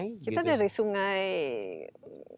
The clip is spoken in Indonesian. kita dari sungai jawa barat ya